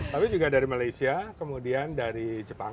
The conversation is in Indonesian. tapi juga dari malaysia kemudian dari jepang